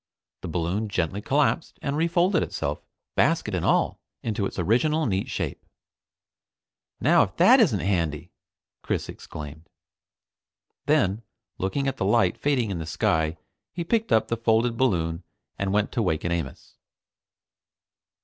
The balloon gently collapsed and refolded itself, basket and all, into its original neat shape. "Now, if that isn't handy!" Chris exclaimed. Then, looking at the light fading from the sky, he picked up the folded balloon and went to waken Amos.